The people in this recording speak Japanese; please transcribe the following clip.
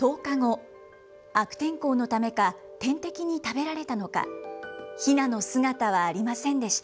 １０日後、悪天候のためか、天敵に食べられたのか、ひなの姿はありませんでした。